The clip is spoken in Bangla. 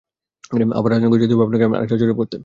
আবার রাজনগর যেতে হবে আপনাকে, আরেকটা জরিপ করতে।